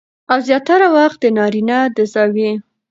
او زياتره وخت د نارينه د زاويې